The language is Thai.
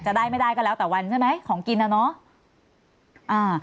จะได้ไม่ได้ก็แล้วแต่วันใช่ไหมของกินน่ะเนอะอ่า